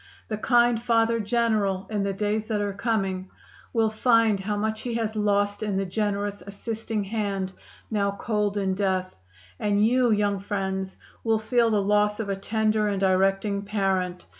The kind Father General, in the days that are coming, will find how much he has lost in the generous, assisting hand now cold in death.... And you, young friends, will feel the loss of a tender and directing parent....